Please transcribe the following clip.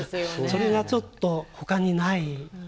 それがちょっと他にないですね。